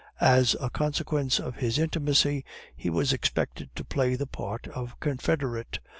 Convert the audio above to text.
As a consequence of his intimacy, he was expected to play the part of confederate.